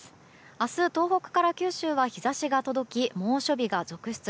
明日、東北から九州は日差しが届き猛暑日が続出。